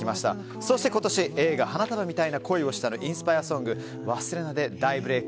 そして、今年映画「花束みたいな恋をした」のインスパイアソング「勿忘」で大ブレーク。